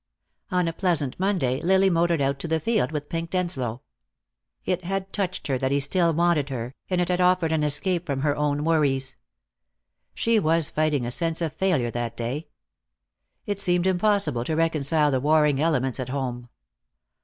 On a pleasant Monday, Lily motored out to the field with Pink Denslow. It had touched her that he still wanted her, and it had offered an escape from her own worries. She was fighting a sense of failure that day. It seemed impossible to reconcile the warring elements at home.